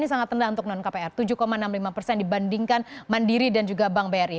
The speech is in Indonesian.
ini sangat rendah untuk non kpr tujuh enam puluh lima persen dibandingkan mandiri dan juga bank bri